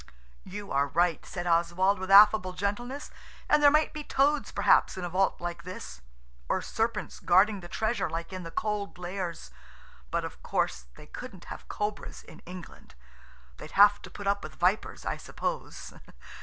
"You are right," said Oswald with affable gentleness; "and there might be toads perhaps in a vault like this–or serpents guarding the treasure like in the Cold Lairs. But of course they couldn't have cobras in England. They'd have to put up with vipers, I suppose."